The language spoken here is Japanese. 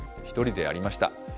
１人でやりました。